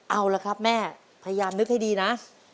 เอาละครับแม่พยายามนึกให้ดีนะ